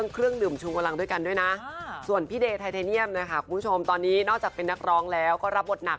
คุณพ่อลูกอ่อนนะคะ